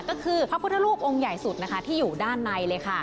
ก็คือพระพุทธรูปองค์ใหญ่สุดนะคะที่อยู่ด้านในเลยค่ะ